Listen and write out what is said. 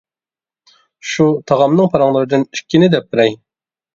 شۇ تاغامنىڭ پاراڭلىرىدىن ئىككىنى دەپ بېرەي.